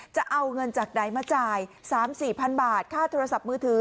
จะเอาเงินจากไหนมาจ่าย๓๔พันบาทค่าโทรศัพท์มือถือ